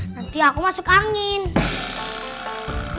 nanti aku masuk angin